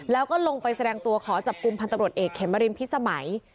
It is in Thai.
แล้วลงไปแสดงตัวขอจากกลุ่มพันธุ์ตบริษฐ์เอกเคมรินพิศสมัย